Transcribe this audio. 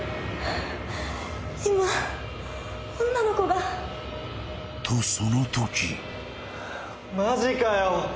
今女の子がとその時マジかよ